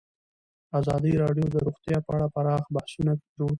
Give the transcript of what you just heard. ازادي راډیو د روغتیا په اړه پراخ بحثونه جوړ کړي.